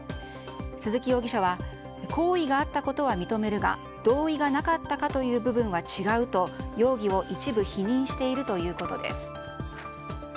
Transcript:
鈴木容疑者は行為があったことは認めるが同意がなかったかという部分は違うと容疑を一部否認しているということです。